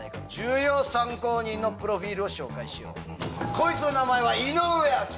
こいつの名前は井上彰。